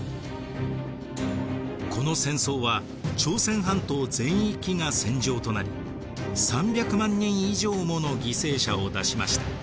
この戦争は朝鮮半島全域が戦場となり３００万人以上もの犠牲者を出しました。